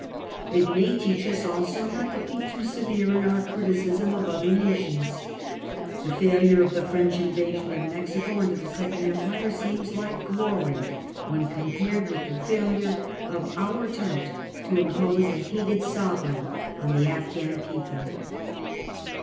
It may teach us also not to be too severe in our criticism of other na tions. The failure of the French invasion of Mexico under the Second Empire seems like glory when com pared with the failure of our attempt to impose a hated sovereign on the Afghan people.